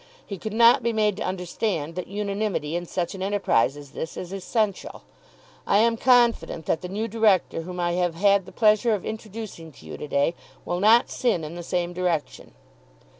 He could not be made to understand that unanimity in such an enterprise as this is essential. I am confident that the new director whom I have had the pleasure of introducing to you to day will not sin in the same direction."